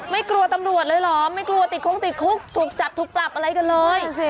ไม่กลัวตำรวจเลยเหรอไม่กลัวติดคงติดคุกถูกจับถูกปรับอะไรกันเลย